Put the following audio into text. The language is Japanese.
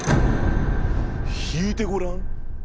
引いてごらん！